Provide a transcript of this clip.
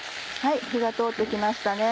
火が通ってきましたね。